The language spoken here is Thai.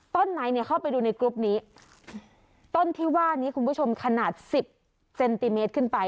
ในเนี่ยเข้าไปดูในกรุ๊ปนี้ต้นที่ว่านี้คุณผู้ชมขนาดสิบเซนติเมตรขึ้นไป